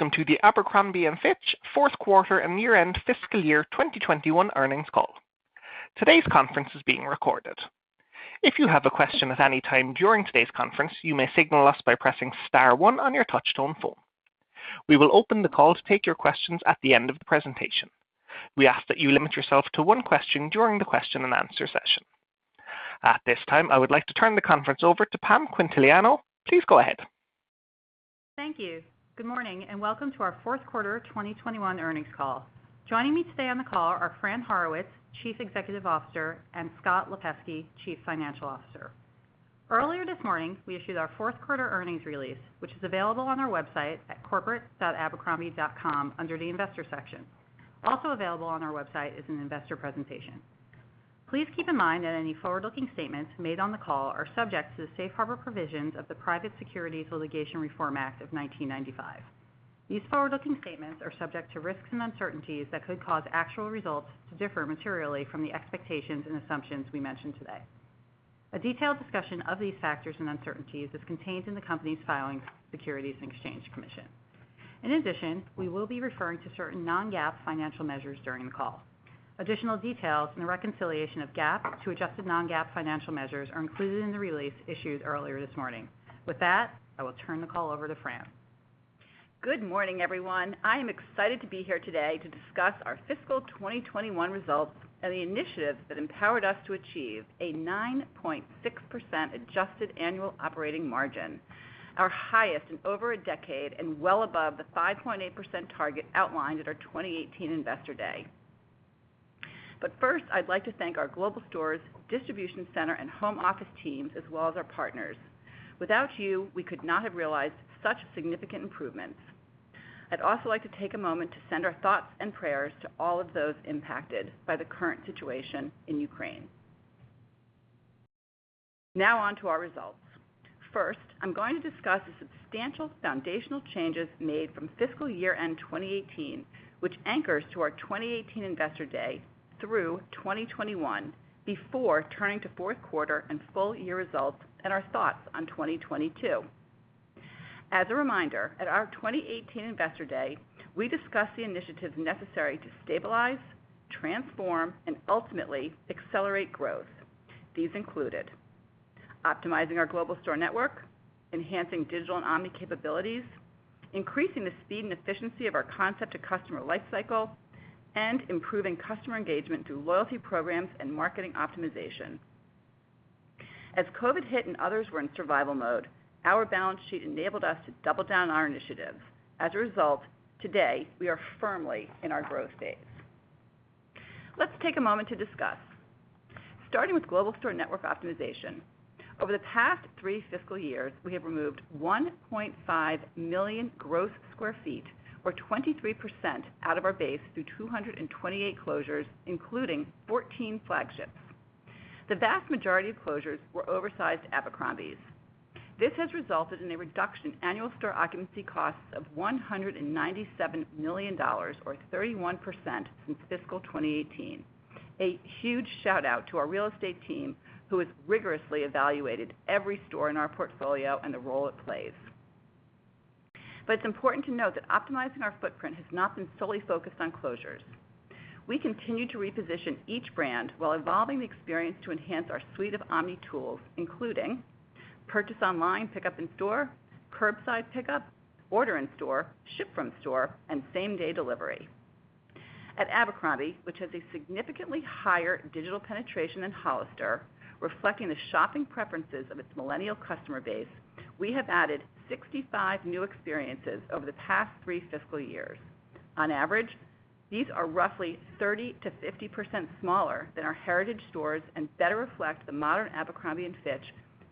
Welcome to the Abercrombie & Fitch fourth quarter and year-end fiscal year 2021 earnings call. Today's conference is being recorded. If you have a question at any time during today's conference, you may signal us by pressing star one on your touch-tone phone. We will open the call to take your questions at the end of the presentation. We ask that you limit yourself to one question during the question-and-answer session. At this time, I would like to turn the conference over to Pam Quintiliano. Please go ahead. Thank you. Good morning, and welcome to our fourth quarter 2021 earnings call. Joining me today on the call are Fran Horowitz, Chief Executive Officer, and Scott Lipesky, Chief Financial Officer. Earlier this morning, we issued our fourth quarter earnings release, which is available on our website at corporate.abercrombie.com under the investor section. Also available on our website is an investor presentation. Please keep in mind that any forward-looking statements made on the call are subject to the safe harbor provisions of the Private Securities Litigation Reform Act of 1995. These forward-looking statements are subject to risks and uncertainties that could cause actual results to differ materially from the expectations and assumptions we mention today. A detailed discussion of these factors and uncertainties is contained in the company's filings with the Securities and Exchange Commission. In addition, we will be referring to certain non-GAAP financial measures during the call. Additional details and the reconciliation of GAAP to adjusted non-GAAP financial measures are included in the release issued earlier this morning. With that, I will turn the call over to Fran. Good morning, everyone. I am excited to be here today to discuss our fiscal 2021 results and the initiatives that empowered us to achieve a 9.6% adjusted annual operating margin, our highest in over a decade and well above the 5.8% target outlined at our 2018 Investor Day. First, I'd like to thank our global stores, distribution center, and home office teams, as well as our partners. Without you, we could not have realized such significant improvements. I'd also like to take a moment to send our thoughts and prayers to all of those impacted by the current situation in Ukraine. Now on to our results. First, I'm going to discuss the substantial foundational changes made from fiscal year-end 2018, which anchors to our 2018 Investor Day through 2021 before turning to fourth quarter and full year results and our thoughts on 2022. As a reminder, at our 2018 Investor Day, we discussed the initiatives necessary to stabilize, transform, and ultimately accelerate growth. These included optimizing our global store network, enhancing digital and omni capabilities, increasing the speed and efficiency of our concept-to-customer life cycle, and improving customer engagement through loyalty programs and marketing optimization. As COVID hit and others were in survival mode, our balance sheet enabled us to double down on our initiatives. As a result, today we are firmly in our growth phase. Let's take a moment to discuss. Starting with global store network optimization. Over the past three fiscal years, we have removed 1.5 million gross sq ft, or 23% out of our base through 228 closures, including 14 flagships. The vast majority of closures were oversized Abercrombie. This has resulted in a reduction in annual store occupancy costs of $197 million, or 31% since fiscal 2018. A huge shout out to our real estate team, who has rigorously evaluated every store in our portfolio and the role it plays. It's important to note that optimizing our footprint has not been solely focused on closures. We continue to reposition each brand while evolving the experience to enhance our suite of omni tools, including purchase online, pickup in store, curbside pickup, order in store, ship from store, and same-day delivery. At Abercrombie, which has a significantly higher digital penetration than Hollister, reflecting the shopping preferences of its millennial customer base, we have added 65 new experiences over the past three fiscal years. On average, these are roughly 30%-50% smaller than our heritage stores and better reflect the modern Abercrombie & Fitch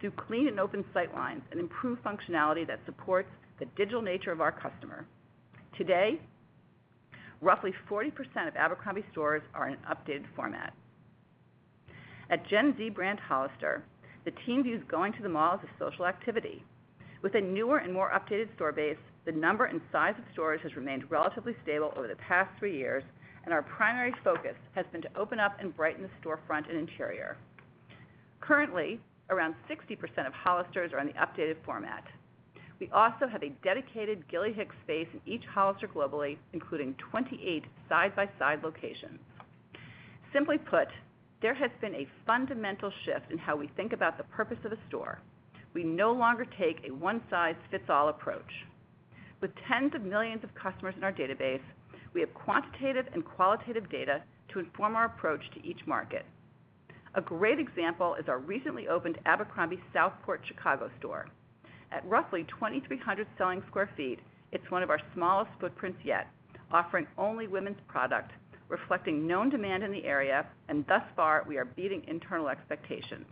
through clean and open sight lines and improved functionality that supports the digital nature of our customer. Today, roughly 40% of Abercrombie stores are in an updated format. At Gen Z brand Hollister, the team views going to the mall as a social activity. With a newer and more updated store base, the number and size of stores has remained relatively stable over the past three years, and our primary focus has been to open up and brighten the storefront and interior. Currently, around 60% of Hollisters are in the updated format. We also have a dedicated Gilly Hicks space in each Hollister globally, including 28 side-by-side locations. Simply put, there has been a fundamental shift in how we think about the purpose of a store. We no longer take a one-size-fits-all approach. With tens of millions of customers in our database, we have quantitative and qualitative data to inform our approach to each market. A great example is our recently opened Abercrombie Southport Chicago store. At roughly 2,300 sq ft selling square feet, it's one of our smallest footprints yet, offering only women's product, reflecting known demand in the area, and thus far, we are beating internal expectations.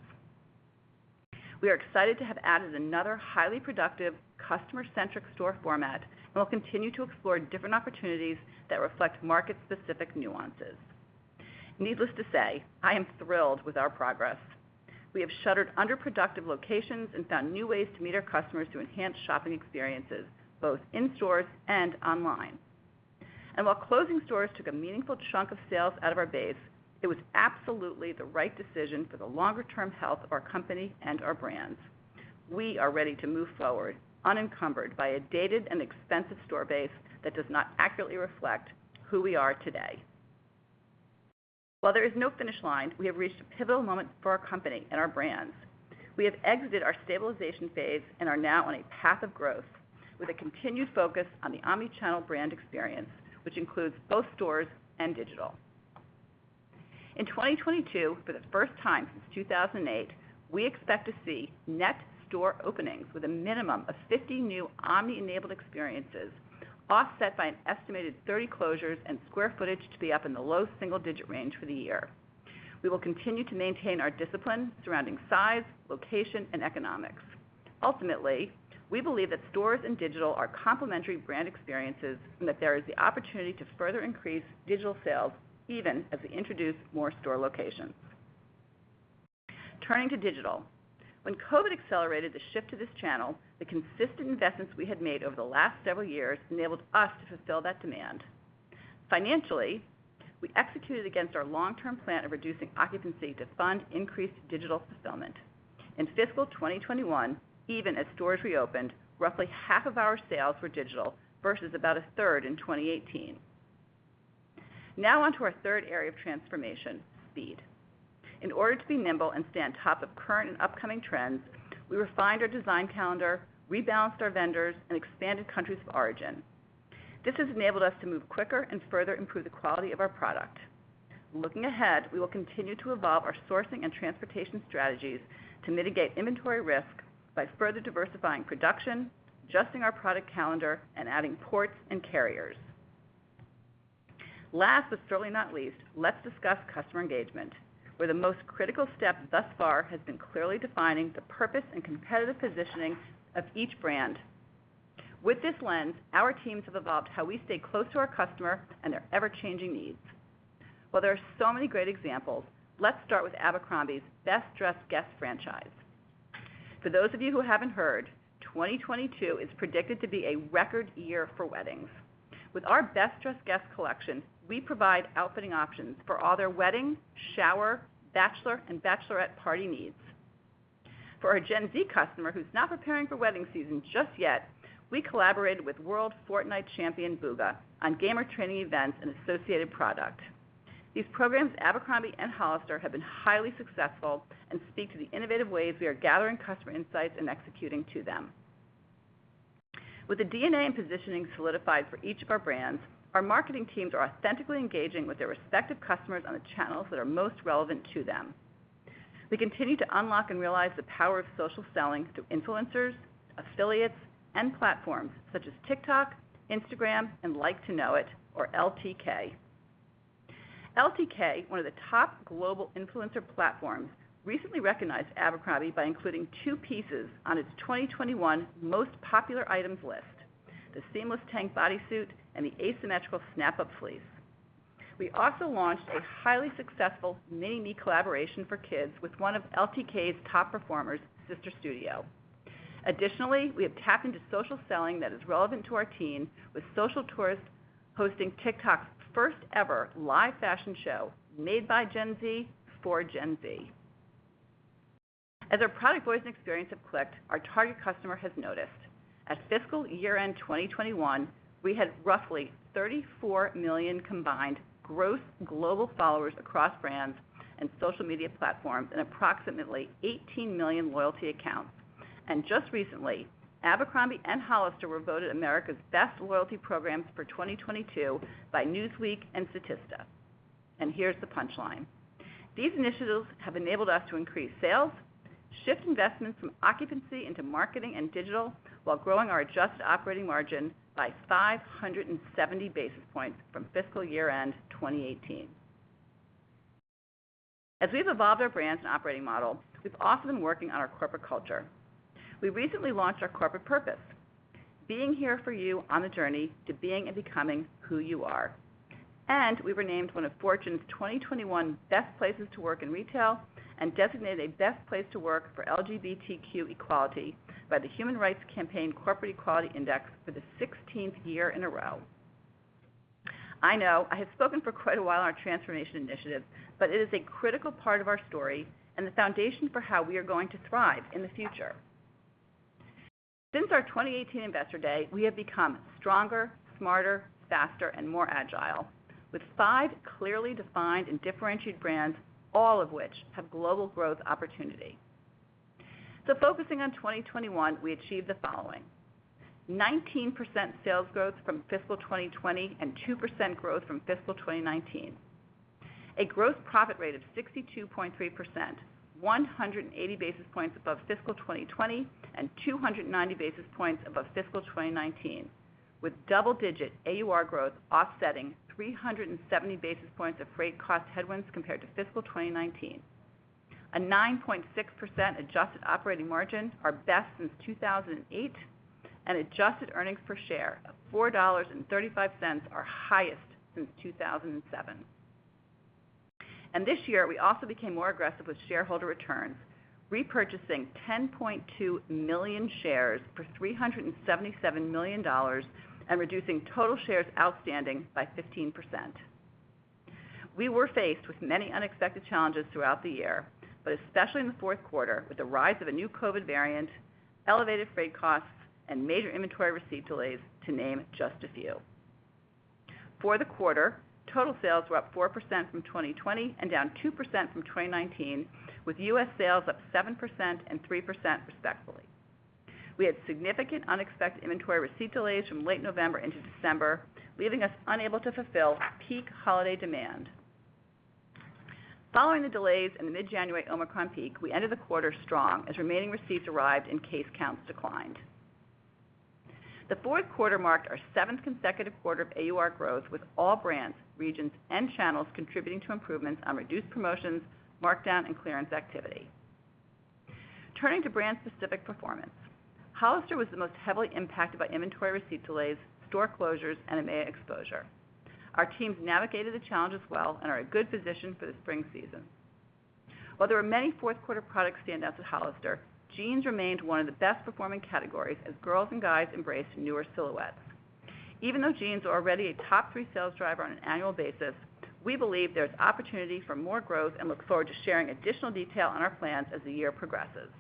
We are excited to have added another highly productive customer-centric store format, and we'll continue to explore different opportunities that reflect market-specific nuances. Needless to say, I am thrilled with our progress. We have shuttered underproductive locations and found new ways to meet our customers through enhanced shopping experiences, both in stores and online. While closing stores took a meaningful chunk of sales out of our base, it was absolutely the right decision for the longer term health of our company and our brands. We are ready to move forward unencumbered by a dated and expensive store base that does not accurately reflect who we are today. While there is no finish line, we have reached a pivotal moment for our company and our brands. We have exited our stabilization phase and are now on a path of growth with a continued focus on the omni-channel brand experience, which includes both stores and digital. In 2022, for the first time since 2008, we expect to see net store openings with a minimum of 50 new omni-enabled experiences, offset by an estimated 30 closures and square footage to be up in the low single digit range for the year. We will continue to maintain our discipline surrounding size, location, and economics. Ultimately, we believe that stores and digital are complementary brand experiences and that there is the opportunity to further increase digital sales even as we introduce more store locations. Turning to digital. When COVID accelerated the shift to this channel, the consistent investments we had made over the last several years enabled us to fulfill that demand. Financially, we executed against our long-term plan of reducing occupancy to fund increased digital fulfillment. In fiscal 2021, even as stores reopened, roughly half of our sales were digital versus about a third in 2018. Now on to our third area of transformation, speed. In order to be nimble and stay on top of current and upcoming trends, we refined our design calendar, rebalanced our vendors, and expanded countries of origin. This has enabled us to move quicker and further improve the quality of our product. Looking ahead, we will continue to evolve our sourcing and transportation strategies to mitigate inventory risk by further diversifying production, adjusting our product calendar, and adding ports and carriers. Last, but certainly not least, let's discuss customer engagement, where the most critical step thus far has been clearly defining the purpose and competitive positioning of each brand. With this lens, our teams have evolved how we stay close to our customer and their ever-changing needs. While there are so many great examples, let's start with Abercrombie's Best Dressed Guest franchise. For those of you who haven't heard, 2022 is predicted to be a record year for weddings. With our Best Dressed Guest collection, we provide outfitting options for all their wedding, shower, bachelor, and bachelorette party needs. For our Gen Z customer who's not preparing for wedding season just yet, we collaborated with world Fortnite champion Bugha on gamer training events and associated product. These programs at Abercrombie and Hollister have been highly successful and speak to the innovative ways we are gathering customer insights and executing to them. With the DNA and positioning solidified for each of our brands, our marketing teams are authentically engaging with their respective customers on the channels that are most relevant to them. We continue to unlock and realize the power of social selling through influencers, affiliates, and platforms such as TikTok, Instagram, and Like To Know It, or LTK. LTK, one of the top global influencer platforms, recently recognized Abercrombie by including two pieces on its 2021 most popular items list, the seamless tank bodysuit and the asymmetrical snap-up fleece. We also launched a highly successful mini-me collaboration for kids with one of LTK's top performers, Sister Studio. Additionally, we have tapped into social selling that is relevant to our team with Social Tourist hosting TikTok's first ever live fashion show made by Gen Z for Gen Z. As our product voice and experience have clicked, our target customer has noticed. At fiscal year-end 2021, we had roughly 34 million combined gross global followers across brands and social media platforms and approximately 18 million loyalty accounts. Just recently, Abercrombie and Hollister were voted America's best loyalty programs for 2022 by Newsweek and Statista. Here's the punchline. These initiatives have enabled us to increase sales, shift investments from occupancy into marketing and digital while growing our adjusted operating margin by 570 basis points from fiscal year-end 2018. As we've evolved our brands and operating model, we've also been working on our corporate culture. We recently launched our corporate purpose: being here for you on the journey to being and becoming who you are. We were named one of Fortune's 2021 best places to work in retail and designated a best place to work for LGBTQ equality by the Human Rights Campaign Corporate Equality Index for the 16th year in a row. I know I have spoken for quite a while on our transformation initiative, but it is a critical part of our story and the foundation for how we are going to thrive in the future. Since our 2018 Investor Day, we have become stronger, smarter, faster, and more agile with five clearly defined and differentiated brands, all of which have global growth opportunity. Focusing on 2021, we achieved the following. 19% sales growth from fiscal 2020 and 2% growth from fiscal 2019. A gross profit rate of 62.3%, 180 basis points above fiscal 2020, and 290 basis points above fiscal 2019, with double-digit AUR growth offsetting 370 basis points of freight cost headwinds compared to fiscal 2019. A 9.6% adjusted operating margin, our best since 2008, and adjusted earnings per share of $4.35, our highest since 2007. This year, we also became more aggressive with shareholder returns, repurchasing 10.2 million shares for $377 million, and reducing total shares outstanding by 15%. We were faced with many unexpected challenges throughout the year, but especially in the fourth quarter with the rise of a new COVID variant, elevated freight costs, and major inventory receipt delays, to name just a few. For the quarter, total sales were up 4% from 2020 and down 2% from 2019, with U.S. sales up 7% and 3% respectively. We had significant unexpected inventory receipt delays from late November into December, leaving us unable to fulfill peak holiday demand. Following the delays in the mid-January Omicron peak, we ended the quarter strong as remaining receipts arrived and case counts declined. The fourth quarter marked our seventh consecutive quarter of AUR growth, with all brands, regions, and channels contributing to improvements on reduced promotions, markdown, and clearance activity. Turning to brand-specific performance, Hollister was the most heavily impacted by inventory receipt delays, store closures, and macro exposure. Our teams navigated the challenges well and are in good position for the spring season. While there were many fourth quarter product standouts at Hollister, jeans remained one of the best performing categories as girls and guys embraced newer silhouettes. Even though jeans are already a top three sales driver on an annual basis, we believe there's opportunity for more growth and look forward to sharing additional detail on our plans as the year progresses.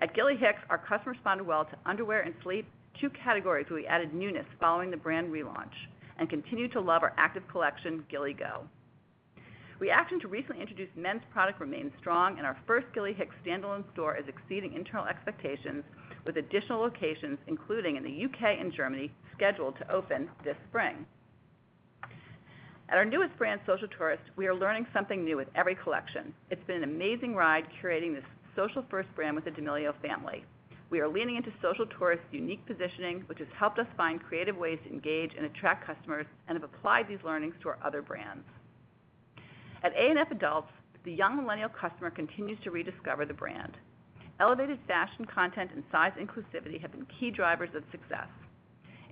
At Gilly Hicks, our customers responded well to underwear and sleep, two categories where we added newness following the brand relaunch, and continue to love our active collection, Gilly Go. Reaction to recently introduced men's product remains strong, and our first Gilly Hicks standalone store is exceeding internal expectations with additional locations, including in the U.K. and Germany, scheduled to open this spring. At our newest brand, Social Tourist, we are learning something new with every collection. It's been an amazing ride curating this social-first brand with the D'Amelio family. We are leaning into Social Tourist's unique positioning, which has helped us find creative ways to engage and attract customers, and have applied these learnings to our other brands. At A&F Adults, the young millennial customer continues to rediscover the brand. Elevated fashion content and size inclusivity have been key drivers of success.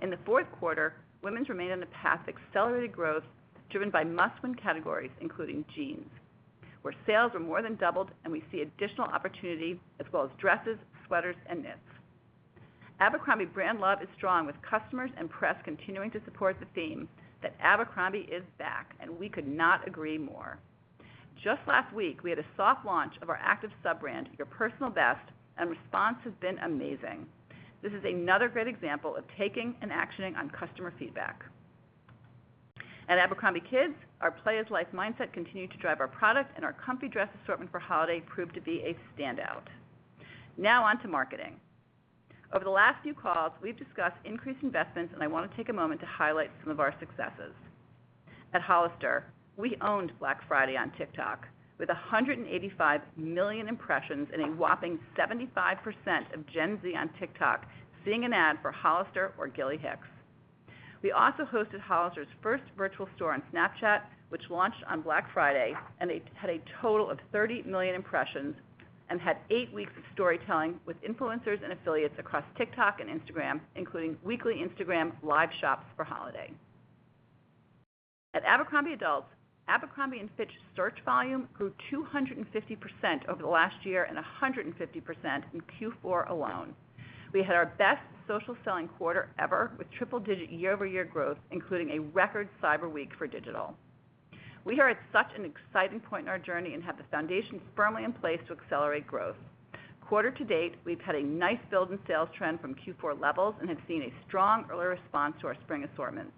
In the fourth quarter, women's remained on the path of accelerated growth driven by must-win categories, including jeans, where sales have more than doubled and we see additional opportunity, as well as dresses, sweaters and knits. Abercrombie brand love is strong with customers and press continuing to support the theme that Abercrombie is back, and we could not agree more. Just last week, we had a soft launch of our active sub-brand, Your Personal Best, and response has been amazing. This is another great example of taking and actioning on customer feedback. At Abercrombie kids, our play is life mindset continued to drive our product and our comfy dress assortment for holiday proved to be a standout. Now on to marketing. Over the last few calls, we've discussed increased investments, and I wanna take a moment to highlight some of our successes. At Hollister, we owned Black Friday on TikTok with 185 million impressions in a whopping 75% of Gen Z on TikTok seeing an ad for Hollister or Gilly Hicks. We also hosted Hollister's first virtual store on Snapchat, which launched on Black Friday, and it had a total of 30 million impressions and had eight weeks of storytelling with influencers and affiliates across TikTok and Instagram, including weekly Instagram Live shops for holiday. At Abercrombie adults, Abercrombie & Fitch search volume grew 250% over the last year and 150% in Q4 alone. We had our best social selling quarter ever with triple-digit year-over-year growth, including a record Cyber Week for digital. We are at such an exciting point in our journey and have the foundations firmly in place to accelerate growth. Quarter-to-date, we've had a nice build in sales trend from Q4 levels and have seen a strong early response to our spring assortments.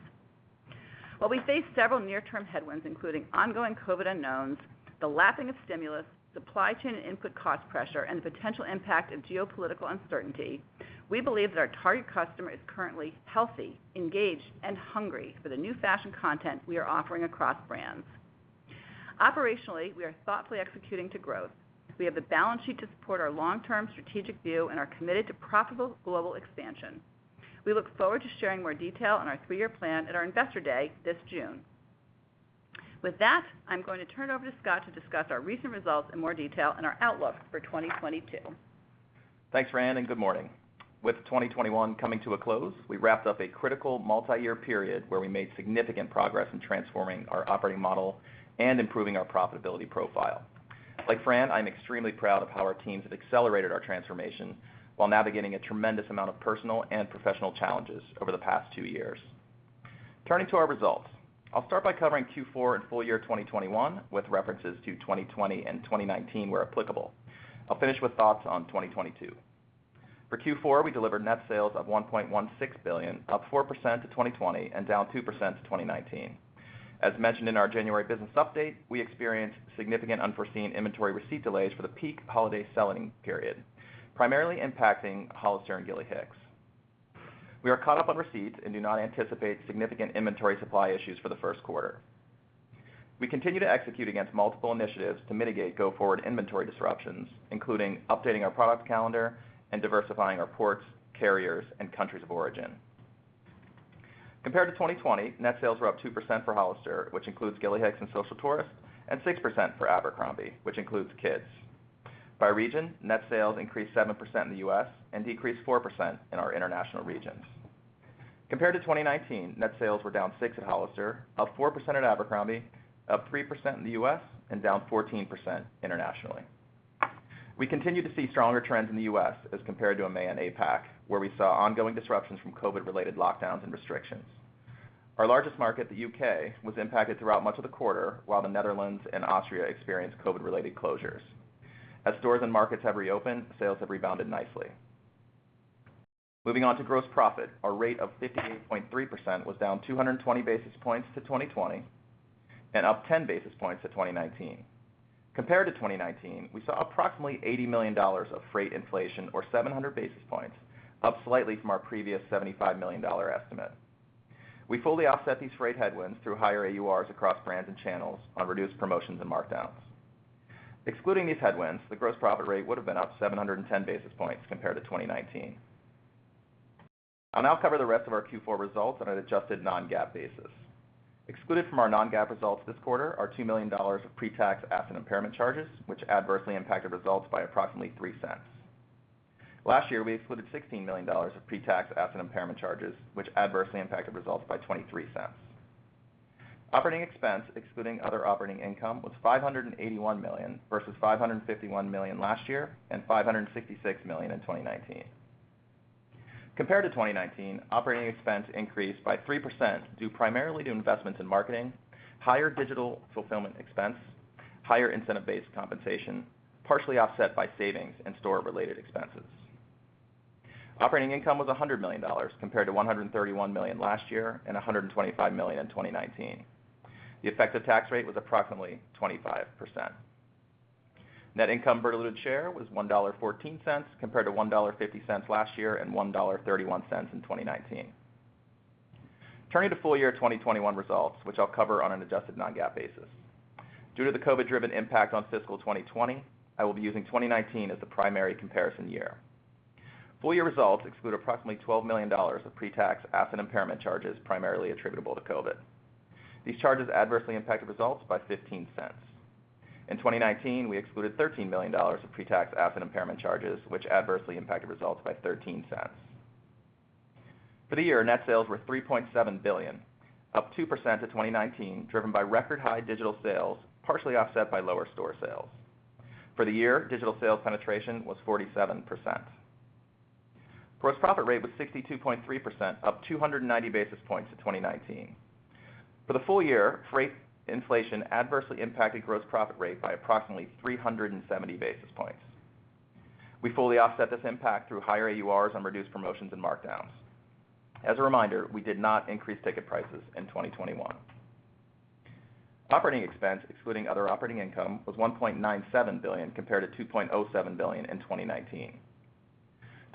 While we face several near-term headwinds, including ongoing COVID unknowns, the lapping of stimulus, supply chain and input cost pressure, and the potential impact of geopolitical uncertainty, we believe that our target customer is currently healthy, engaged, and hungry for the new fashion content we are offering across brands. Operationally, we are thoughtfully executing to growth. We have the balance sheet to support our long-term strategic view and are committed to profitable global expansion. We look forward to sharing more detail on our three-year plan at our Investor Day this June. With that, I'm going to turn it over to Scott to discuss our recent results in more detail and our outlook for 2022. Thanks, Fran, and good morning. With 2021 coming to a close, we wrapped up a critical multi-year period where we made significant progress in transforming our operating model and improving our profitability profile. Like Fran, I'm extremely proud of how our teams have accelerated our transformation while navigating a tremendous amount of personal and professional challenges over the past two years. Turning to our results, I'll start by covering Q4 and full year 2021 with references to 2020 and 2019 where applicable. I'll finish with thoughts on 2022. For Q4, we delivered net sales of $1.16 billion, up 4% to 2020 and down 2% to 2019. As mentioned in our January business update, we experienced significant unforeseen inventory receipt delays for the peak holiday selling period, primarily impacting Hollister and Gilly Hicks. We are caught up on receipts and do not anticipate significant inventory supply issues for the first quarter. We continue to execute against multiple initiatives to mitigate go forward inventory disruptions, including updating our product calendar and diversifying our ports, carriers, and countries of origin. Compared to 2020, net sales were up 2% for Hollister, which includes Gilly Hicks and Social Tourist, and 6% for Abercrombie, which includes Abercrombie kids. By region, net sales increased 7% in the U.S. and decreased 4% in our international regions. Compared to 2019, net sales were down 6% at Hollister, up 4% at Abercrombie, up 3% in the U.S., and down 14% internationally. We continue to see stronger trends in the U.S. as compared to EMEA and APAC, where we saw ongoing disruptions from COVID-related lockdowns and restrictions. Our largest market, the U.K., was impacted throughout much of the quarter, while the Netherlands and Austria experienced COVID-related closures. As stores and markets have reopened, sales have rebounded nicely. Moving on to gross profit, our rate of 58.3% was down 220 basis points to 2020 and up 10 basis points to 2019. Compared to 2019, we saw approximately $80 million of freight inflation, or 700 basis points, up slightly from our previous $75 million estimate. We fully offset these freight headwinds through higher AURs across brands and channels on reduced promotions and markdowns. Excluding these headwinds, the gross profit rate would have been up 710 basis points compared to 2019. I'll now cover the rest of our Q4 results on an adjusted non-GAAP basis. Excluded from our non-GAAP results this quarter are $2 million of pre-tax asset impairment charges, which adversely impacted results by approximately $0.03. Last year, we excluded $16 million of pre-tax asset impairment charges, which adversely impacted results by $0.23. Operating expense, excluding other operating income, was $581 million versus $551 million last year and $566 million in 2019. Compared to 2019, operating expense increased by 3% due primarily to investments in marketing, higher digital fulfillment expense, higher incentive-based compensation, partially offset by savings in store-related expenses. Operating income was $100 million compared to $131 million last year and $125 million in 2019. The effective tax rate was approximately 25%. Net income per diluted share was $1.14 compared to $1.50 last year and $1.31 in 2019. Turning to full year 2021 results, which I'll cover on an adjusted non-GAAP basis. Due to the COVID-driven impact on fiscal 2020, I will be using 2019 as the primary comparison year. Full year results exclude approximately $12 million of pre-tax asset impairment charges primarily attributable to COVID. These charges adversely impacted results by $0.15. In 2019, we excluded $13 million of pre-tax asset impairment charges, which adversely impacted results by $0.13. For the year, net sales were $3.7 billion, up 2% to 2019, driven by record high digital sales, partially offset by lower store sales. For the year, digital sales penetration was 47%. Gross profit rate was 62.3%, up 290 basis points to 2019. For the full year, freight inflation adversely impacted gross profit rate by approximately 370 basis points. We fully offset this impact through higher AURs on reduced promotions and markdowns. As a reminder, we did not increase ticket prices in 2021. Operating expense, excluding other operating income, was $1.97 billion compared to $2.07 billion in 2019.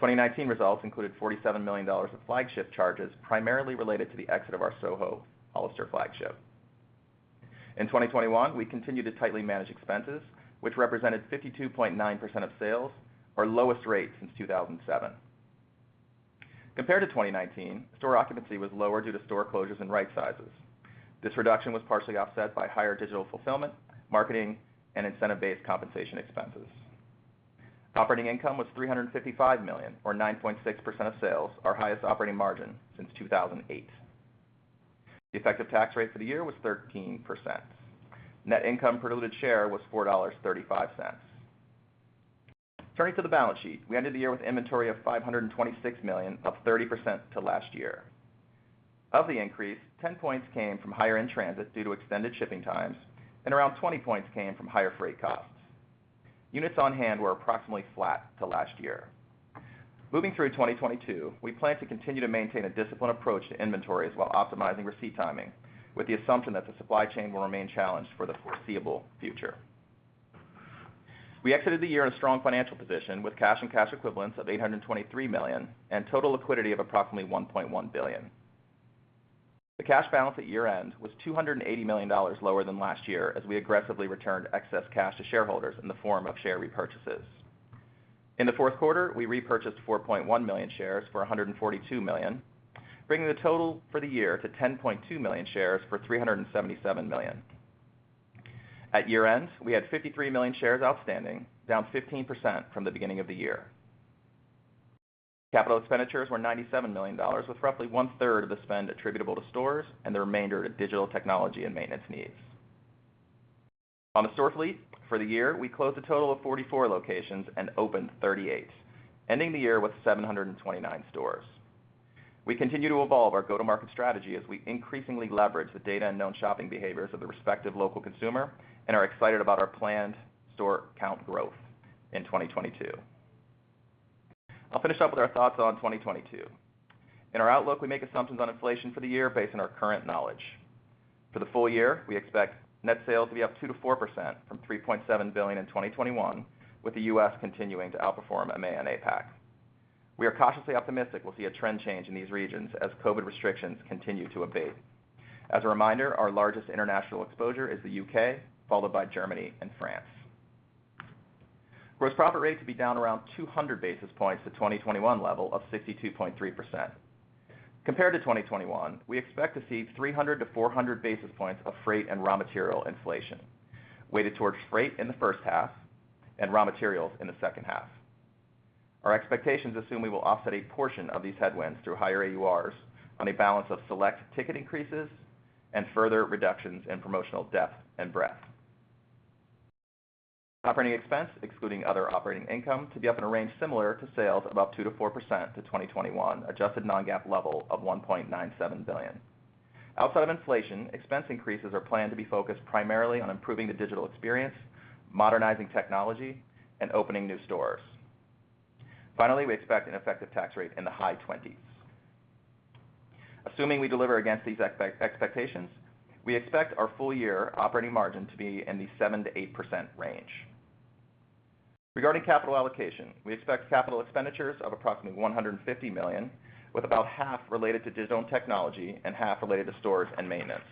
2019 results included $47 million of flagship charges, primarily related to the exit of our Soho Hollister flagship. In 2021, we continued to tightly manage expenses, which represented 52.9% of sales, our lowest rate since 2007. Compared to 2019, store occupancy was lower due to store closures and right sizes. This reduction was partially offset by higher digital fulfillment, marketing, and incentive-based compensation expenses. Operating income was $355 million or 9.6% of sales, our highest operating margin since 2008. The effective tax rate for the year was 13%. Net income per diluted share was $4.35. Turning to the balance sheet, we ended the year with inventory of $526 million, up 30% to last year. Of the increase, 10 points came from higher end transit due to extended shipping times, and around 20 points came from higher freight costs. Units on hand were approximately flat to last year. Moving through 2022, we plan to continue to maintain a disciplined approach to inventories while optimizing receipt timing, with the assumption that the supply chain will remain challenged for the foreseeable future. We exited the year in a strong financial position with cash and cash equivalents of $823 million and total liquidity of approximately $1.1 billion. The cash balance at year-end was $280 million lower than last year as we aggressively returned excess cash to shareholders in the form of share repurchases. In the fourth quarter, we repurchased 4.1 million shares for $142 million, bringing the total for the year to 10.2 million shares for $377 million. At year-end, we had 53 million shares outstanding, down 15% from the beginning of the year. Capital expenditures were $97 million, with roughly one-third of the spend attributable to stores and the remainder to digital technology and maintenance needs. On the store fleet for the year, we closed a total of 44 locations and opened 38, ending the year with 729 stores. We continue to evolve our go-to-market strategy as we increasingly leverage the data and known shopping behaviors of the respective local consumer and are excited about our planned store count growth in 2022. I'll finish up with our thoughts on 2022. In our outlook, we make assumptions on inflation for the year based on our current knowledge. For the full year, we expect net sales to be up 2%-4% from $3.7 billion in 2021, with the U.S. continuing to outperform EMEA and APAC. We are cautiously optimistic we'll see a trend change in these regions as COVID restrictions continue to abate. As a reminder, our largest international exposure is the U.K., followed by Germany and France. Gross profit rate to be down around 200 basis points to 2021 level of 62.3%. Compared to 2021, we expect to see 300-400 basis points of freight and raw material inflation. Weighted towards freight in the first half and raw materials in the second half. Our expectations assume we will offset a portion of these headwinds through higher AURs on a balance of select ticket increases and further reductions in promotional depth and breadth. Operating expense, excluding other operating income, to be up in a range similar to sales of about 2%-4% to 2021 adjusted non-GAAP level of $1.97 billion. Outside of inflation, expense increases are planned to be focused primarily on improving the digital experience, modernizing technology and opening new stores. Finally, we expect an effective tax rate in the high 20s%. Assuming we deliver against these expectations, we expect our full year operating margin to be in the 7%-8% range. Regarding capital allocation, we expect capital expenditures of approximately $150 million, with about half related to digital and technology and half related to stores and maintenance.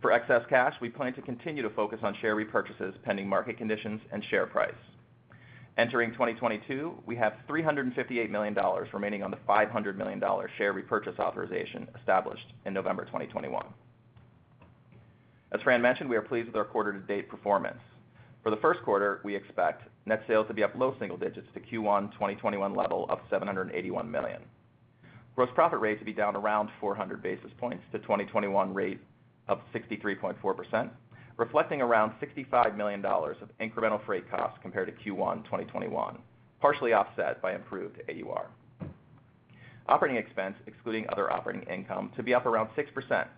For excess cash, we plan to continue to focus on share repurchases, pending market conditions and share price. Entering 2022, we have $358 million remaining on the $500 million share repurchase authorization established in November 2021. As Fran mentioned, we are pleased with our quarter-to-date performance. For the first quarter, we expect net sales to be up low single digits to Q1 2021 level of $781 million. Gross profit rate to be down around 400 basis points to 2021 rate of 63.4%, reflecting around $65 million of incremental freight costs compared to Q1 2021, partially offset by improved AUR. Operating expense excluding other operating income to be up around 6%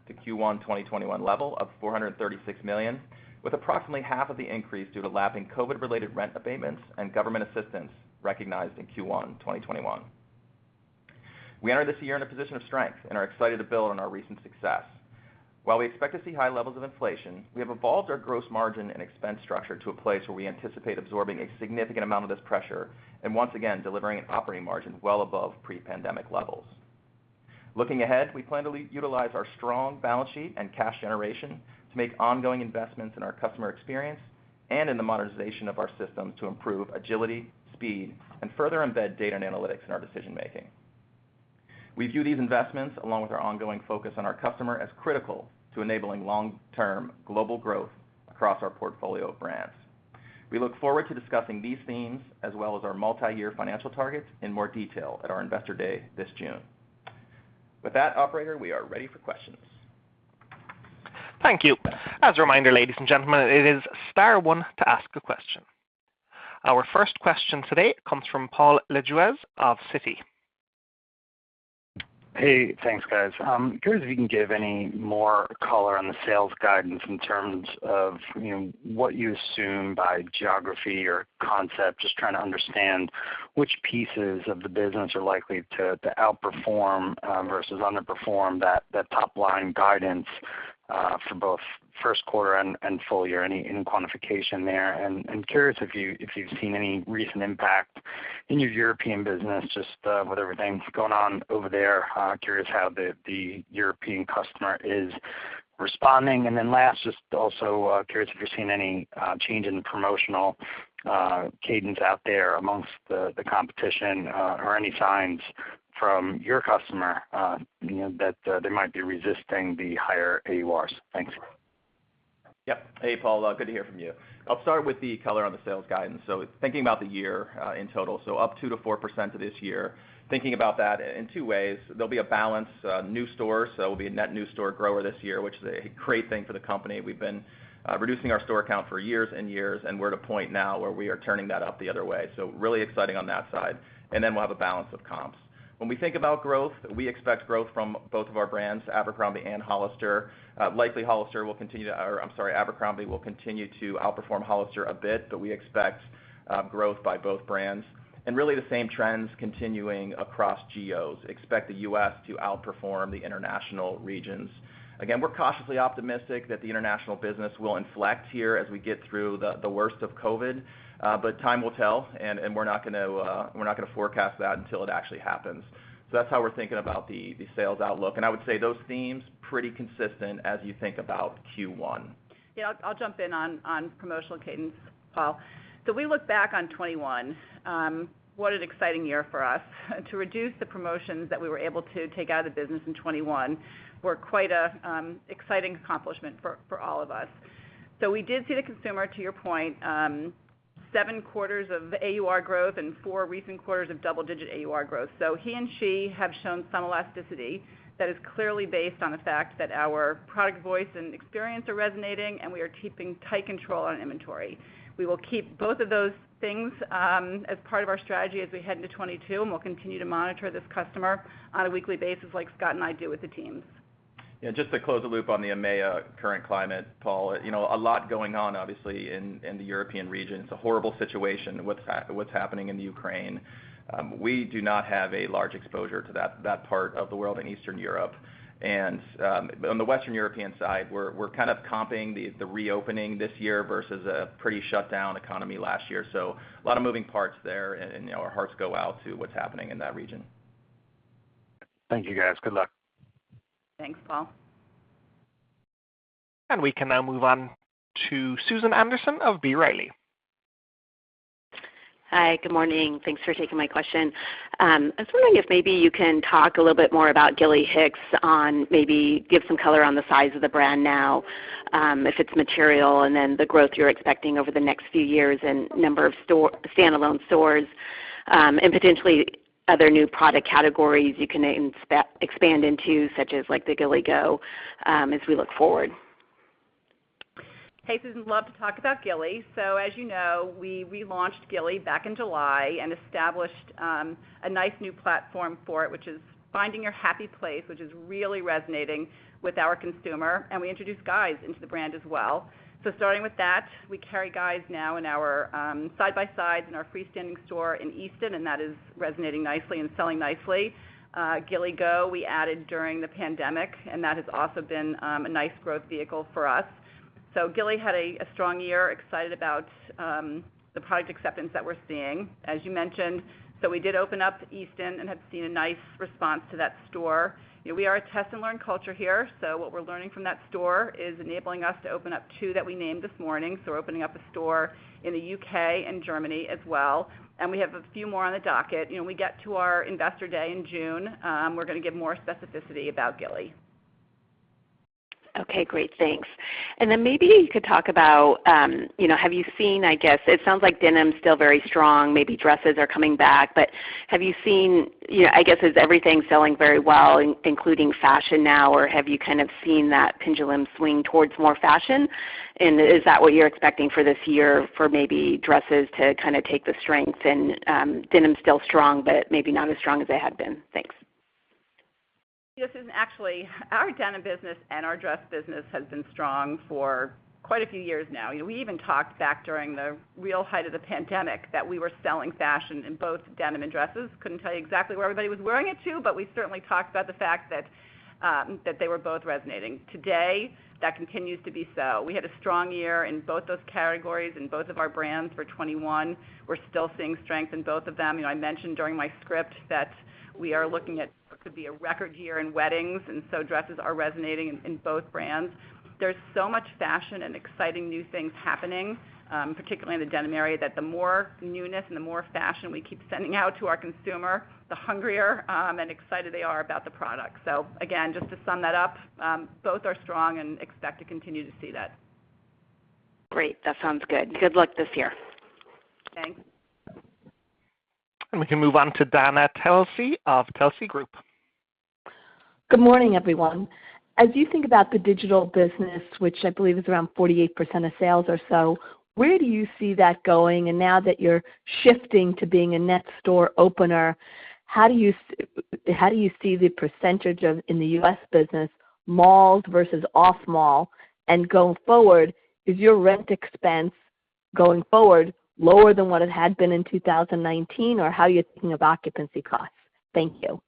to Q1 2021 level of $436 million, with approximately half of the increase due to lapping COVID related rent abatements and government assistance recognized in Q1 2021. We enter this year in a position of strength and are excited to build on our recent success. While we expect to see high levels of inflation, we have evolved our gross margin and expense structure to a place where we anticipate absorbing a significant amount of this pressure and once again delivering an operating margin well above pre-pandemic levels. Looking ahead, we plan to utilize our strong balance sheet and cash generation to make ongoing investments in our customer experience and in the modernization of our systems to improve agility, speed, and further embed data and analytics in our decision making. We view these investments along with our ongoing focus on our customer as critical to enabling long-term global growth across our portfolio of brands. We look forward to discussing these themes as well as our multi-year financial targets in more detail at our Investor Day this June. With that, operator, we are ready for questions. Thank you. As a reminder, ladies and gentlemen, it is star one to ask a question. Our first question today comes from Paul Lejuez of Citi. Hey, thanks guys. I'm curious if you can give any more color on the sales guidance in terms of, you know, what you assume by geography or concept, just trying to understand which pieces of the business are likely to outperform versus underperform that top line guidance for both first quarter and full year. Any quantification there? And curious if you've seen any recent impact in your European business, just with everything that's going on over there, curious how the European customer is responding. And then last, just also curious if you're seeing any change in the promotional cadence out there amongst the competition or any signs from your customer, you know, that they might be resisting the higher AURs. Thanks. Yeah. Hey, Paul. Good to hear from you. I'll start with the color on the sales guidance. Thinking about the year in total, up 2%-4% this year. Thinking about that in two ways. There'll be a balance of new stores, so it'll be a net new store grower this year, which is a great thing for the company. We've been reducing our store count for years and years, and we're at a point now where we are turning that up the other way. Really exciting on that side. Then we'll have a balance of comps. When we think about growth, we expect growth from both of our brands, Abercrombie and Hollister. I'm sorry, Abercrombie will continue to outperform Hollister a bit, but we expect growth by both brands. Really the same trends continuing across geos. Expect the U.S. to outperform the international regions. Again, we're cautiously optimistic that the international business will inflect here as we get through the worst of COVID, but time will tell and we're not gonna forecast that until it actually happens. So that's how we're thinking about the sales outlook, and I would say those themes pretty consistent as you think about Q1. Yeah, I'll jump in on promotional cadence, Paul. We look back on 2021, what an exciting year for us. The reductions in the promotions that we were able to take out of the business in 2021 were quite an exciting accomplishment for all of us. We did see the consumer, to your point, seven quarters of AUR growth and four recent quarters of double-digit AUR growth. He and she have shown some elasticity that is clearly based on the fact that our product voice and experience are resonating, and we are keeping tight control on inventory. We will keep both of those things as part of our strategy as we head into 2022, and we'll continue to monitor this customer on a weekly basis like Scott and I do with the teams. Yeah. Just to close the loop on the EMEA current climate, Paul. You know, a lot going on obviously in the European region. It's a horrible situation, what's happening in the Ukraine. We do not have a large exposure to that part of the world in Eastern Europe. On the Western European side, we're kind of comping the reopening this year versus a pretty shut down economy last year. A lot of moving parts there and, you know, our hearts go out to what's happening in that region. Thank you, guys. Good luck. Thanks, Paul. We can now move on to Susan Anderson of B. Riley. Hi, good morning. Thanks for taking my question. I was wondering if maybe you can talk a little bit more about Gilly Hicks and maybe give some color on the size of the brand now, if it's material, and then the growth you're expecting over the next few years and number of standalone stores, and potentially other new product categories you can expand into, such as like the Gilly Go, as we look forward. Hey, Susan, love to talk about Gilly. As you know, we relaunched Gilly back in July and established a nice new platform for it, which is finding your happy place, which is really resonating with our consumer, and we introduced guys into the brand as well. Starting with that, we carry guys now in our side by side in our freestanding store in Easton, and that is resonating nicely and selling nicely. Gilly Go, we added during the pandemic, and that has also been a nice growth vehicle for us. Gilly had a strong year. Excited about the product acceptance that we're seeing, as you mentioned. We did open up Easton and have seen a nice response to that store. You know, we are a test and learn culture here, so what we're learning from that store is enabling us to open up two that we named this morning. We're opening up a store in the U.K. and Germany as well, and we have a few more on the docket. You know, when we get to our Investor Day in June, we're gonna give more specificity about Gilly. Okay, great. Thanks. Then maybe you could talk about, you know, have you seen, I guess it sounds like denim's still very strong, maybe dresses are coming back. Have you seen, you know, I guess, is everything selling very well, including fashion now, or have you kind of seen that pendulum swing towards more fashion? Is that what you're expecting for this year for maybe dresses to kind of take the strength and, denim's still strong but maybe not as strong as they had been? Thanks. Yes, actually our denim business and our dress business has been strong for quite a few years now. You know, we even talked back during the real height of the pandemic that we were selling fashion in both denim and dresses. Couldn't tell you exactly where everybody was wearing it to, but we certainly talked about the fact that they were both resonating. Today, that continues to be so. We had a strong year in both those categories and both of our brands for 2021. We're still seeing strength in both of them. You know, I mentioned during my script that we are looking at what could be a record year in weddings, and so dresses are resonating in both brands. There's so much fashion and exciting new things happening, particularly in the denim area, that the more newness and the more fashion we keep sending out to our consumer, the hungrier, and excited they are about the product. So again, just to sum that up, both are strong and expect to continue to see that. Great. That sounds good. Good luck this year. Thanks. We can move on to Dana Telsey of Telsey Group. Good morning, everyone. As you think about the digital business, which I believe is around 48% of sales or so, where do you see that going? Now that you're shifting to being a net store opener, how do you see the percentage of the U.S. business in malls versus off-mall? Going forward, is your rent expense going forward lower than what it had been in 2019? Or how are you thinking of occupancy costs? Thank you.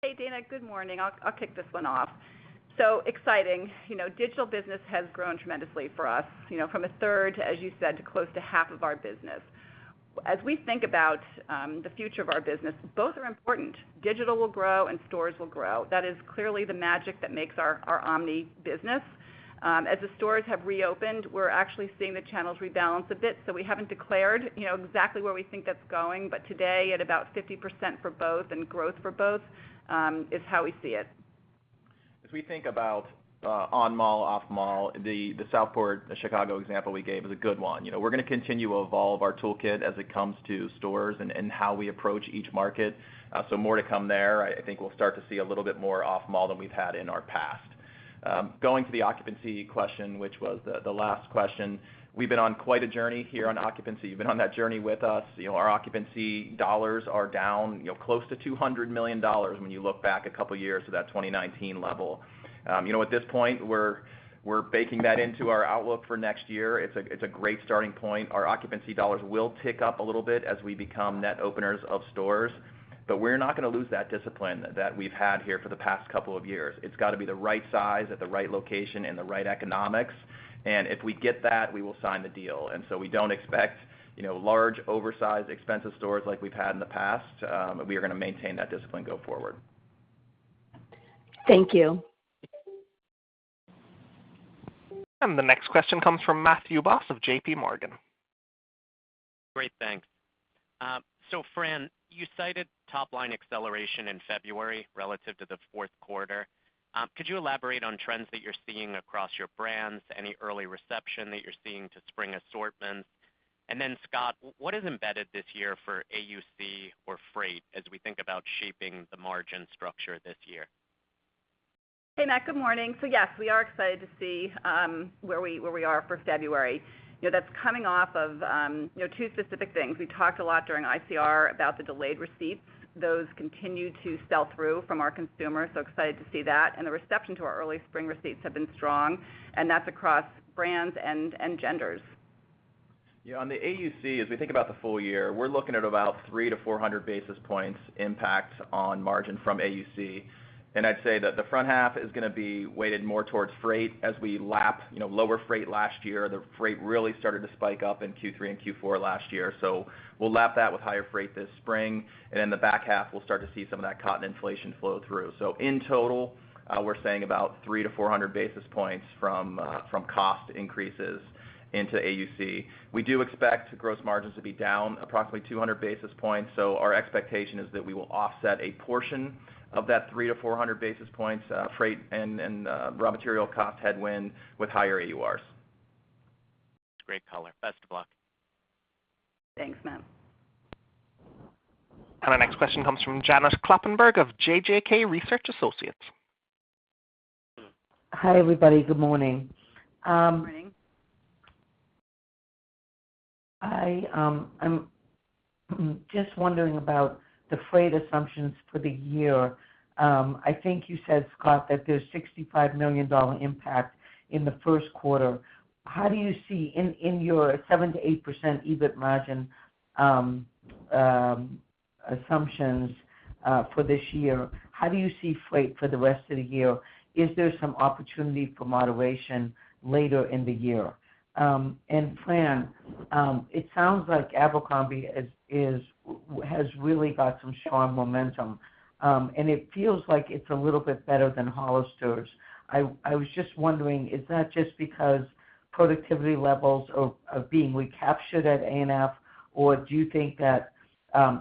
Hey, Dana. Good morning. I'll kick this one off. Exciting. You know, digital business has grown tremendously for us, you know, from a third, as you said, to close to half of our business. As we think about the future of our business, both are important. Digital will grow and stores will grow. That is clearly the magic that makes our omni business. As the stores have reopened, we're actually seeing the channels rebalance a bit. We haven't declared, you know, exactly where we think that's going, but today, at about 50% for both and growth for both, is how we see it. As we think about on mall, off-mall, the Southport, Chicago example we gave is a good one. You know, we're gonna continue to evolve our toolkit as it comes to stores and how we approach each market, so more to come there. I think we'll start to see a little bit more off mall than we've had in our past. Going to the occupancy question, which was the last question, we've been on quite a journey here on occupancy. You've been on that journey with us. You know, our occupancy dollars are down, you know, close to $200 million when you look back a couple years to that 2019 level. You know, at this point, we're baking that into our outlook for next year. It's a great starting point. Our occupancy dollars will tick up a little bit as we become net openers of stores. We're not gonna lose that discipline that we've had here for the past couple of years. It's got to be the right size at the right location and the right economics, and if we get that, we will sign the deal. We don't expect, you know, large, oversized, expensive stores like we've had in the past, but we are gonna maintain that discipline going forward. Thank you. The next question comes from Matthew Boss of JPMorgan. Great. Thanks. Fran, you cited top line acceleration in February relative to the fourth quarter. Could you elaborate on trends that you're seeing across your brands, any early reception that you're seeing to spring assortments? Scott, what is embedded this year for AUC or freight as we think about shaping the margin structure this year? Hey, Matt, good morning. Yes, we are excited to see where we are for February. You know, that's coming off of, you know, two specific things. We talked a lot during ICR about the delayed receipts. Those continue to sell through from our consumer, so excited to see that. The reception to our early spring receipts have been strong, and that's across brands and genders. Yeah, on the AUC, as we think about the full year, we're looking at about 300-400 basis points impact on margin from AUC. And I'd say that the front half is gonna be weighted more towards freight as we lap, you know, lower freight last year. The freight really started to spike up in Q3 and Q4 last year. We'll lap that with higher freight this spring, and in the back half, we'll start to see some of that cotton inflation flow through. In total, we're saying about 300-400 basis points from cost increases into AUC. We do expect gross margins to be down approximately 200 basis points. Our expectation is that we will offset a portion of that 300-400 basis points, freight and raw material cost headwind with higher AURs. Great color. Best of luck. Thanks, Matt. Our next question comes from Janet Kloppenburg of JJK Research Associates. Hi, everybody. Good morning. Good morning. I am just wondering about the freight assumptions for the year. I think you said, Scott, that there's $65 million impact in the first quarter. How do you see in your 7%-8% EBIT margin assumptions for this year, how do you see freight for the rest of the year? Is there some opportunity for moderation later in the year? Fran, it sounds like Abercrombie has really got some strong momentum, and it feels like it's a little bit better than Hollister's. I was just wondering, is that just because productivity levels are being recaptured at A&F, or do you think that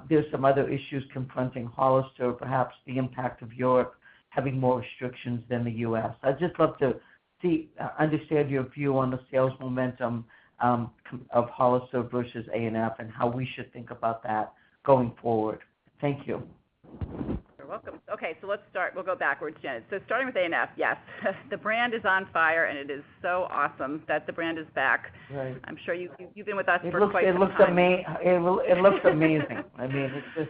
there's some other issues confronting Hollister, perhaps the impact of Europe having more restrictions than the U.S.? I'd just love to understand your view on the sales momentum, comparison of Hollister versus A&F and how we should think about that going forward. Thank you. You're welcome. Okay, let's start. We'll go backwards, Janet. Starting with A&F, yes, the brand is on fire, and it is so awesome that the brand is back. Right. I'm sure you've been with us for quite some time. It looks amazing. I mean, it's just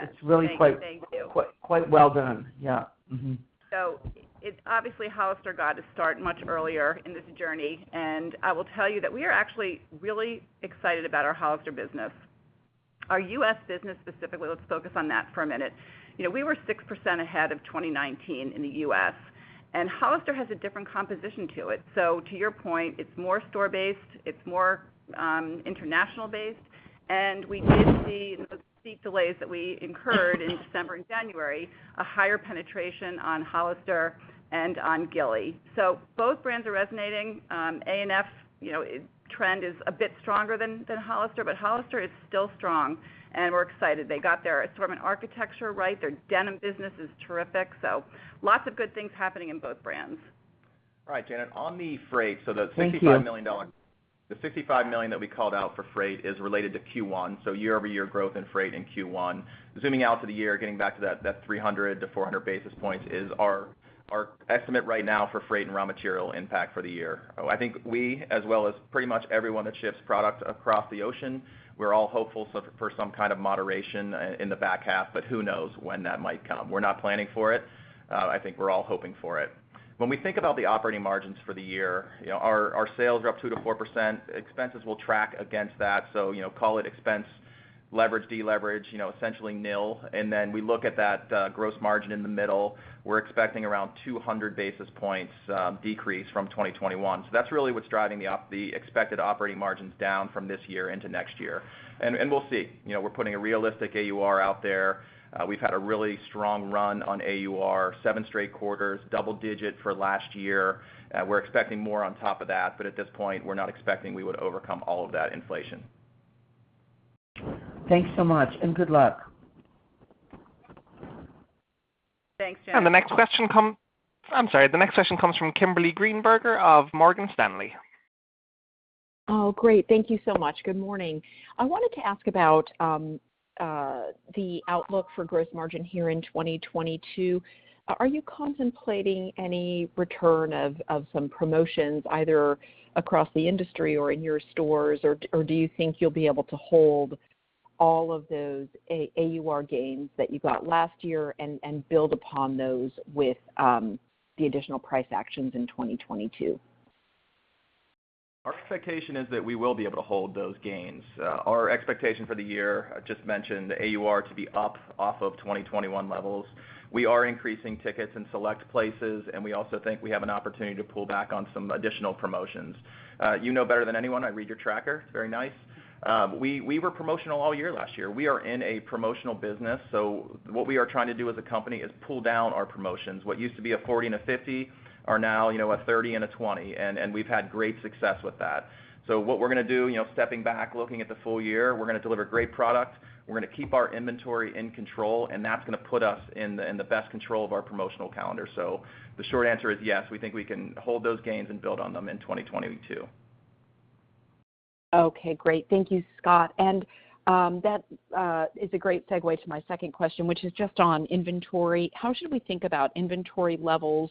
Yes. Thank you. Thank you.... it's really quite well done. Yeah. Mm-hmm. Obviously, Hollister got its start much earlier in this journey, and I will tell you that we are actually really excited about our Hollister business. Our U.S. business specifically, let's focus on that for a minute. You know, we were 6% ahead of 2019 in the U.S., and Hollister has a different composition to it. To your point, it's more store-based, it's more international-based, and we did see, you know, with the sea delays that we incurred in December and January, a higher penetration on Hollister and on Gilly. Both brands are resonating. A&F, you know, trend is a bit stronger than Hollister, but Hollister is still strong, and we're excited. They got their assortment architecture right. Their denim business is terrific. Lots of good things happening in both brands. All right, Janet, on the freight. Thank you. The $65 million that we called out for freight is related to Q1, year-over-year growth in freight in Q1. Zooming out to the year, getting back to that, 300-400 basis points is our estimate right now for freight and raw material impact for the year. I think we, as well as pretty much everyone that ships product across the ocean, we're all hopeful for some kind of moderation in the back half, but who knows when that might come. We're not planning for it. I think we're all hoping for it. When we think about the operating margins for the year, you know, our sales are up 2%-4%. Expenses will track against that. And so, you know, call it expense leverage, de-leverage, you know, essentially nil. Then we look at that, gross margin in the middle. We're expecting around 200 basis points decrease from 2021. That's really what's driving the expected operating margins down from this year into next year. We'll see. You know, we're putting a realistic AUR out there. We've had a really strong run on AUR, seven straight quarters, double-digit for last year. We're expecting more on top of that, but at this point, we're not expecting we would overcome all of that inflation. Thanks so much, and good luck. Thanks, Janet. I'm sorry. The next question comes from Kimberly Greenberger of Morgan Stanley. Oh, great. Thank you so much. Good morning. I wanted to ask about the outlook for gross margin here in 2022. Are you contemplating any return of some promotions, either across the industry or in your stores, or do you think you'll be able to hold all of those AUR gains that you got last year and build upon those with the additional price actions in 2022? Our expectation is that we will be able to hold those gains. Our expectation for the year, I just mentioned, the AUR to be up off of 2021 levels. We are increasing tickets in select places, and we also think we have an opportunity to pull back on some additional promotions. You know better than anyone, I read your tracker. It's very nice. We were promotional all year last year. We are in a promotional business, so what we are trying to do as a company is pull down our promotions. What used to be a 40% and a 50% are now, you know, a 30% and a 20%, and we've had great success with that. What we're gonna do, you know, stepping back, looking at the full year, we're gonna deliver great product, we're gonna keep our inventory in control, and that's gonna put us in the best control of our promotional calendar. The short answer is yes, we think we can hold those gains and build on them in 2022. Okay, great. Thank you, Scott. That is a great segue to my second question, which is just on inventory. How should we think about inventory levels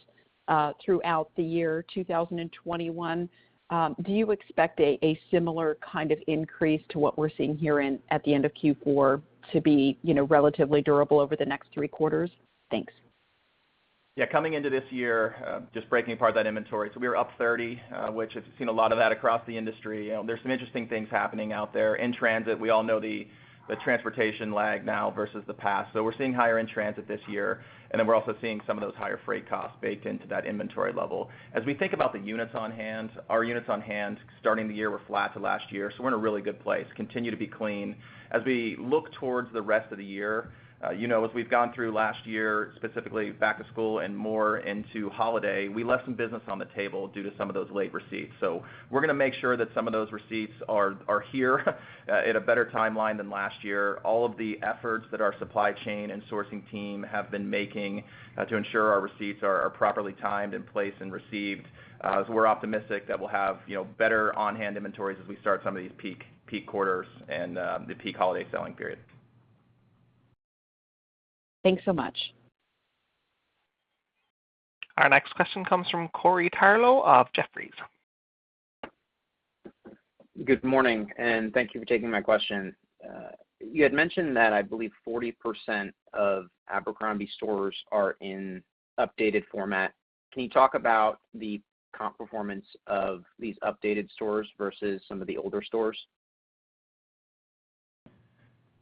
throughout the year 2021? Do you expect a similar kind of increase to what we're seeing here at the end of Q4 to be, you know, relatively durable over the next three quarters? Thanks. Yeah. Coming into this year, just breaking apart that inventory. We were up 30%, which if you've seen a lot of that across the industry, you know, there's some interesting things happening out there. In transit, we all know the transportation lag now versus the past. We're seeing higher in transit this year, and then we're also seeing some of those higher freight costs baked into that inventory level. As we think about the units on hand, our units on hand starting the year were flat to last year, so we're in a really good place, continue to be clean. As we look towards the rest of the year, you know, as we've gone through last year, specifically back to school and more into holiday, we left some business on the table due to some of those late receipts. We're gonna make sure that some of those receipts are here at a better timeline than last year. All of the efforts that our supply chain and sourcing team have been making to ensure our receipts are properly timed and placed and received. We're optimistic that we'll have, you know, better on-hand inventories as we start some of these peak quarters and the peak holiday selling period. Thanks so much. Our next question comes from Corey Tarlowe of Jefferies. Good morning, and thank you for taking my question. You had mentioned that, I believe 40% of Abercrombie stores are in updated format. Can you talk about the comp performance of these updated stores versus some of the older stores?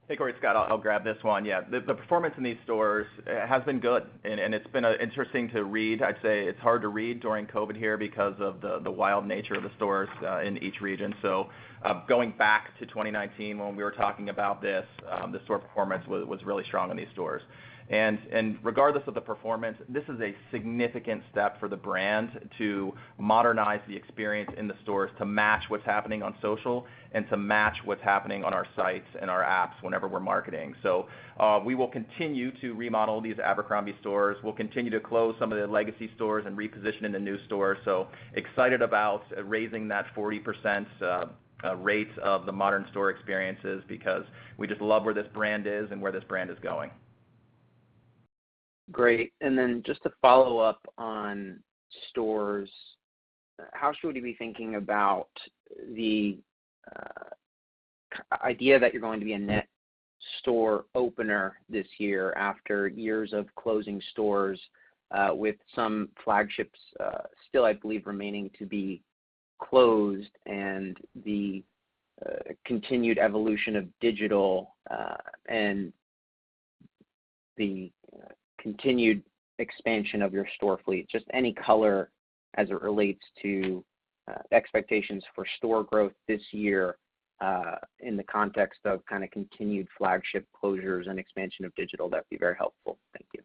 Hey, Corey. Scott, I'll grab this one. Yeah. The performance in these stores has been good, and it's been interesting to read. I'd say it's hard to read during COVID here because of the wild nature of the stores in each region. Going back to 2019 when we were talking about this, the store performance was really strong in these stores. Regardless of the performance, this is a significant step for the brand to modernize the experience in the stores to match what's happening on social and to match what's happening on our sites and our apps whenever we're marketing. So we will continue to remodel these Abercrombie stores. We'll continue to close some of the legacy stores and reposition in the new store. I'm excited about raising that 40% rate of the modern store experiences because we just love where this brand is and where this brand is going. Great. Just to follow up on stores, how should we be thinking about the idea that you're going to be a net store opener this year after years of closing stores, with some flagships still, I believe, remaining to be closed and the continued evolution of digital and the continued expansion of your store fleet. Just any color as it relates to expectations for store growth this year in the context of kinda continued flagship closures and expansion of digital, that'd be very helpful. Thank you.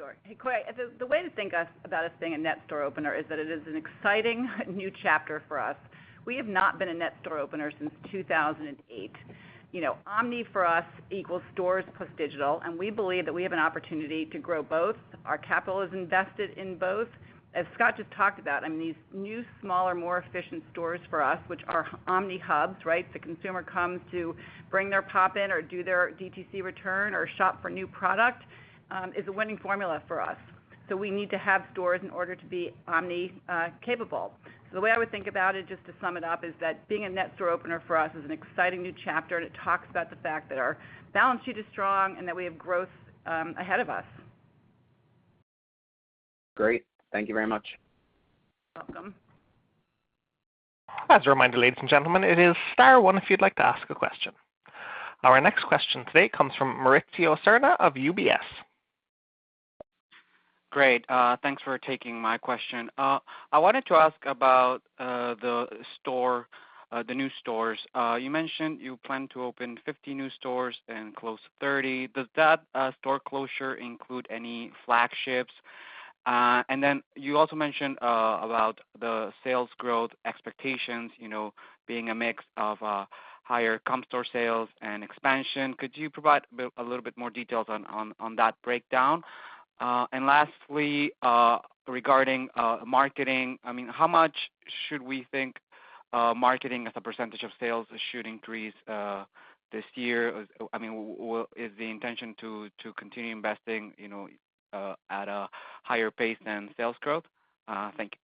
Sure. Hey, Corey. The way to think about us being a net store opener is that it is an exciting new chapter for us. We have not been a net store opener since 2008. You know, omni for us equals stores plus digital, and we believe that we have an opportunity to grow both. Our capital is invested in both. As Scott just talked about, I mean, these new, smaller, more efficient stores for us, which are omni hubs, right? The consumer comes to bring their pop-in or do their DTC return or shop for new product is a winning formula for us. We need to have stores in order to be omni capable. The way I would think about it, just to sum it up, is that being a net store opener for us is an exciting new chapter, and it talks about the fact that our balance sheet is strong and that we have growth, ahead of us. Great. Thank you very much. Welcome. As a reminder, ladies and gentlemen, it is star one if you'd like to ask a question. Our next question today comes from Mauricio Serna of UBS. Great. Thanks for taking my question. I wanted to ask about the store, the new stores. You mentioned you plan to open 50 new stores and close 30. Does that store closure include any flagships? You also mentioned about the sales growth expectations, you know, being a mix of higher comp store sales and expansion. Could you provide a little bit more details on that breakdown? Lastly, regarding marketing, I mean, how much should we think marketing as a percentage of sales should increase this year? I mean, is the intention to continue investing, you know, at a higher pace than sales growth? Thank you.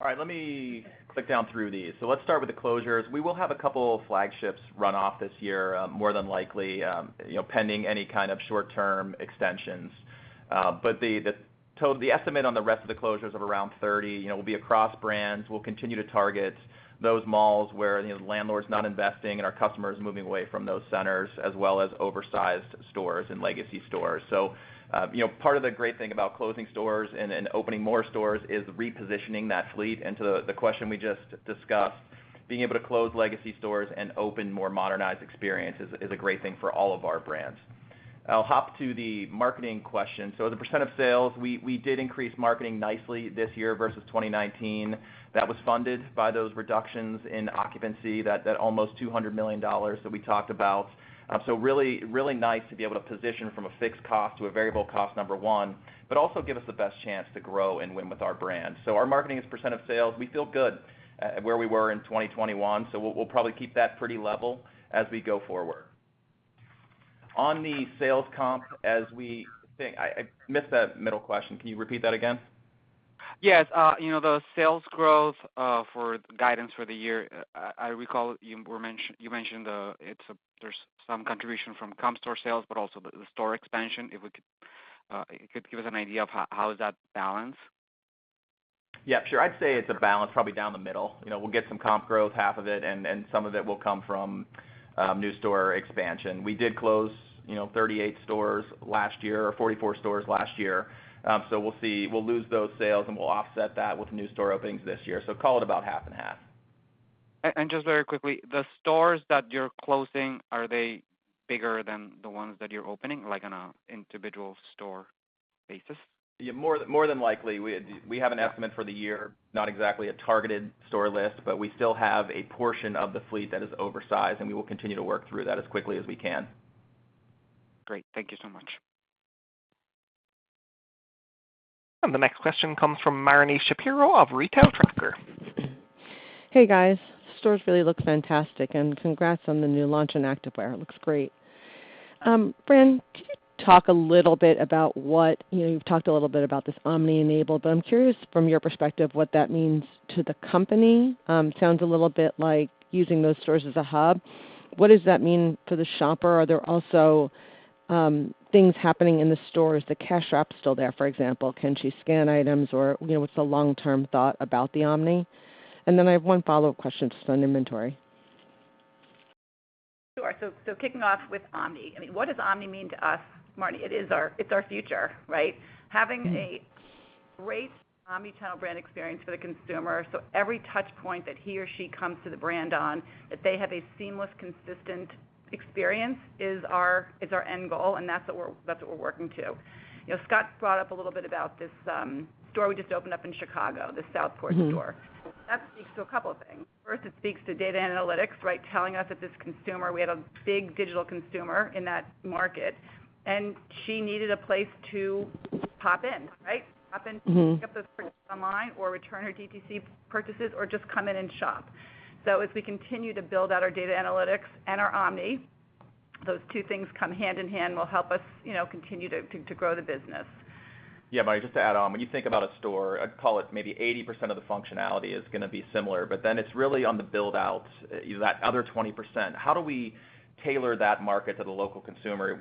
All right. Let me click down through these. Let's start with the closures. We will have a couple flagships run off this year, more than likely, you know, pending any kind of short-term extensions. The estimate on the rest of the closures of around 30, you know, will be across brands. We'll continue to target those malls where, you know, the landlord's not investing and our customers moving away from those centers, as well as oversized stores and legacy stores. Part of the great thing about closing stores and opening more stores is repositioning that fleet. To the question we just discussed, being able to close legacy stores and open more modernized experiences is a great thing for all of our brands. I'll hop to the marketing question. The percent of sales, we did increase marketing nicely this year versus 2019. That was funded by those reductions in occupancy, that almost $200 million that we talked about. Really nice to be able to position from a fixed cost to a variable cost, number one, but also give us the best chance to grow and win with our brand. Our marketing is percent of sales. We feel good at where we were in 2021, so we'll probably keep that pretty level as we go forward. On the sales comp, as we think. I missed that middle question. Can you repeat that again? Yes, you know, the sales growth for guidance for the year, I recall you mentioned there's some contribution from comp store sales, but also the store expansion. If we could, you could give us an idea of how is that balance. Yeah, sure. I'd say it's a balance probably down the middle. And you know, we'll get some comp growth, half of it, and some of it will come from new store expansion. We did close, you know, 38 stores last year or 44 stores last year. So we'll see. We'll lose those sales, and we'll offset that with new store openings this year. So call it about half and half. Just very quickly, the stores that you're closing, are they bigger than the ones that you're opening, like on a individual store basis? Yeah, more than likely. We have an estimate for the year, not exactly a targeted store list, but we still have a portion of the fleet that is oversized, and we will continue to work through that as quickly as we can. Great. Thank you so much. The next question comes from Marni Shapiro of Retail Tracker. Hey, guys. Stores really look fantastic, and congrats on the new launch in active wear. It looks great. Fran, could you talk a little bit about what you know, you've talked a little bit about this omni-enabled, but I'm curious from your perspective, what that means to the company. Sounds a little bit like using those stores as a hub. What does that mean for the shopper? Are there also things happening in the stores? The cash wrap's still there, for example. Can she scan items or, you know, what's the long-term thought about the omni? And then I have one follow-up question just on inventory. Sure. Kicking off with omni. I mean, what does omni mean to us, Marni? It's our future, right? Mm-hmm. Having a great omni-channel brand experience for the consumer, so every touch point that he or she comes to the brand on, that they have a seamless, consistent experience is our end goal, and that's what we're working to. You know, Scott brought up a little bit about this, store we just opened up in Chicago, the Southport store. Mm-hmm. That speaks to a couple of things. First, it speaks to data analytics, right? Telling us that this consumer, we had a big digital consumer in that market, and she needed a place to pop in, right? Mm-hmm ...to pick up those purchases online or return her DTC purchases or just come in and shop. As we continue to build out our data analytics and our omni, those two things come hand in hand, will help us, you know, continue to grow the business. Yeah, Marni, just to add on. When you think about a store, I'd call it maybe 80% of the functionality is gonna be similar, but then it's really on the build-out, that other 20%. How do we tailor that market to the local consumer?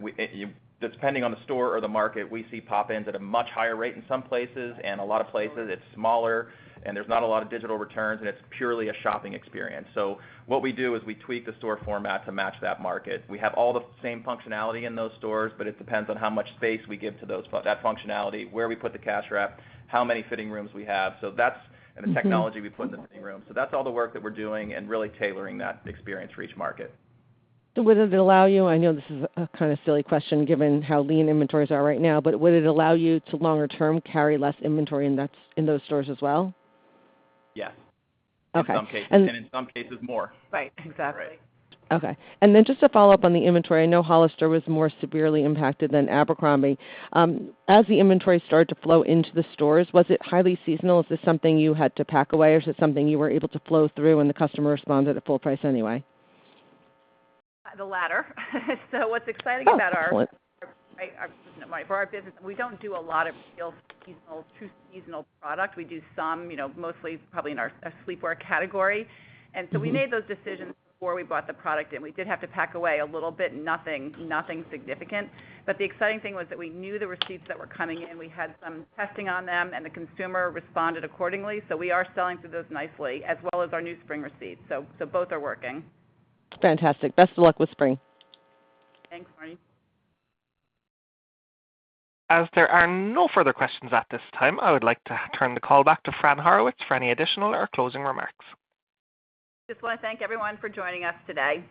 Depending on the store or the market, we see pop-ins at a much higher rate in some places, and a lot of places it's smaller, and there's not a lot of digital returns, and it's purely a shopping experience. So, what we do is we tweak the store format to match that market. We have all the same functionality in those stores, but it depends on how much space we give to that functionality, where we put the cash wrap, how many fitting rooms we have. That's. Mm-hmm. The technology we put in the fitting room. That's all the work that we're doing and really tailoring that experience for each market. Would it allow you, I know this is a kinda silly question given how lean inventories are right now, but would it allow you to longer term carry less inventory in those stores as well? Yes. Okay. In some cases, and in some cases more. Right. Exactly. Right. Okay. Just to follow up on the inventory, I know Hollister was more severely impacted than Abercrombie. As the inventory started to flow into the stores, was it highly seasonal? Is this something you had to pack away, or is it something you were able to flow through and the customer responded at full price anyway? The latter. What's exciting about our- Oh, excellent. For our business, we don't do a lot of real seasonal, true seasonal product. We do some, you know, mostly probably in our sleepwear category. Mm-hmm. We made those decisions before we bought the product in. We did have to pack away a little bit. Nothing significant. The exciting thing was that we knew the receipts that were coming in. We had some testing on them, and the consumer responded accordingly. We are selling through those nicely as well as our new spring receipts. Both are working. Fantastic. Best of luck with spring. Thanks, Marni. As there are no further questions at this time, I would like to turn the call back to Fran Horowitz for any additional or closing remarks. Just wanna thank everyone for joining us today.